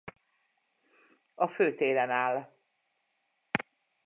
A Fő téren áll.